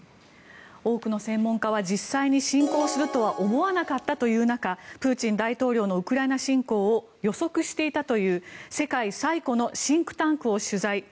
多くの専門家は実際に侵攻するとは思わなかったという中プーチン大統領のウクライナ侵攻を予測していたという世界最古のシンクタンクを取材。